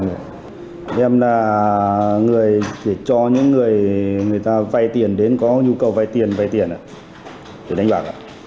em là người để cho những người người ta vay tiền đến có nhu cầu vay tiền vay tiền ạ để đánh bạc ạ